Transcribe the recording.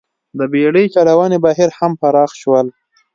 د بېړۍ چلونې بهیر هم پراخ شول.